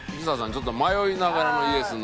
ちょっと迷いながらのＹＥＳの。